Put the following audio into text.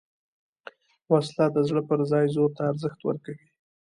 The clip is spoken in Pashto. وسله د زړه پر ځای زور ته ارزښت ورکوي